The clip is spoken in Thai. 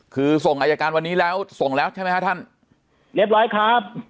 คือส่งอายการวันนี้แล้วส่งแล้วใช่ไหมฮะท่านเรียบร้อยครับ